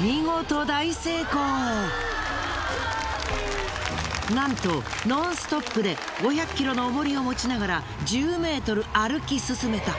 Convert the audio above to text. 見事なんとノンストップで５００ｋｇの重りを持ちながら１０ｍ歩き進めた。